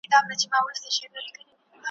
په پښتون کې توره شته خو پوهه نشته